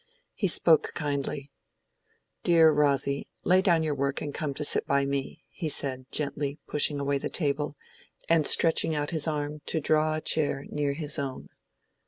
He spoke kindly. "Dear Rosy, lay down your work and come to sit by me," he said, gently, pushing away the table, and stretching out his arm to draw a chair near his own.